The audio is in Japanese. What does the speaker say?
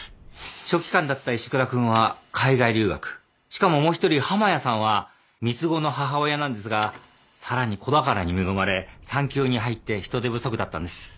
書記官だった石倉君は海外留学しかももう一人浜谷さんは三つ子の母親なんですがさらに子宝に恵まれ産休に入って人手不足だったんです。